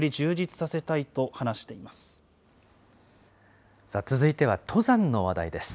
さあ、続いては登山の話題です。